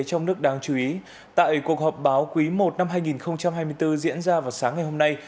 trong nước đáng chú ý tại cuộc họp báo quý i năm hai nghìn hai mươi bốn diễn ra vào sáng ngày hôm nay